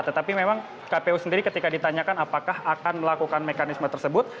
tetapi memang kpu sendiri ketika ditanyakan apakah akan melakukan mekanisme tersebut